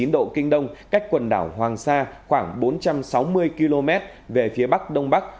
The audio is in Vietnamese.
một trăm một mươi bốn chín độ kinh đông cách quần đảo hoàng sa khoảng bốn trăm sáu mươi km về phía bắc đông bắc